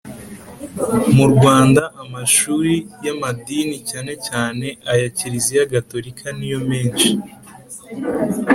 mu rwanda, amashuri y'amadini, cyane cyane aya kiliziya gatolika niyo menshi